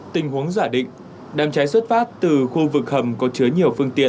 tình huống giả định đám cháy xuất phát từ khu vực hầm có chứa nhiều phương tiện